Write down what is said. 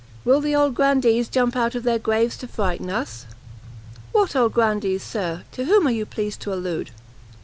will the old grandees jump up out of their graves to frighten us?" "What old grandees, Sir? to whom are you pleased to allude?"